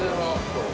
そう。